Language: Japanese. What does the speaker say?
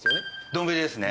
丼ですね。